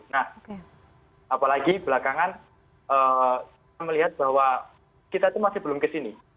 nah apalagi belakangan kita melihat bahwa kita itu masih belum kesini